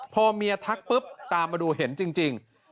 พอเมียทักปุ๊บตามมาดูเห็นจริง